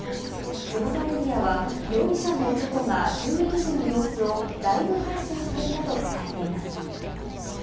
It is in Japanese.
地元メディアは容疑者の男が襲撃時の様子をライブ配信していたと伝えています。